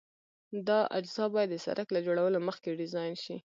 دا اجزا باید د سرک له جوړولو مخکې ډیزاین شي